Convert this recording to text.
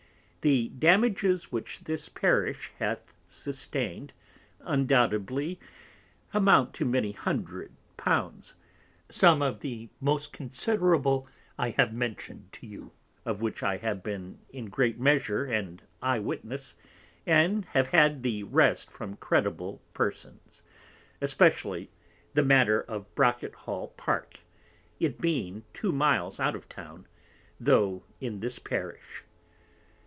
The Damages which this Parish hath sustained, undoubtedly amount to many hundred Pounds, some of the most considerable I have mentioned to you, of which I have been in great Measure an Eye witness, and have had the rest from Credible Persons, especially the matter of Brocket hall Park, it being two Miles out of Town, tho' in this Parish.